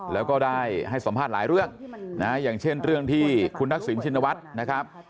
แล้วก็ได้ให้สัมภาษณ์หลายเรื่องนะอย่างเช่นเรื่องที่คุณทักษิณชินวัฒน์นะครับ